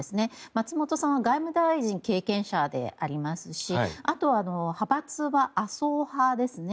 松本さんは外務大臣経験者でありますしあと、派閥は麻生派ですね。